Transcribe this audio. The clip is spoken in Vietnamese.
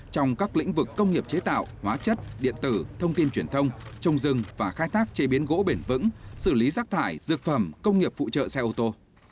trong các lĩnh vực công nghiệp chế tạo hóa chất điện tử thông tin truyền thông trồng rừng và khai thác chế biến gỗ bền vững xử lý rác thải dược phẩm công nghiệp phụ trợ xe ô tô